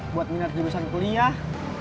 buat minat jurusan kuliah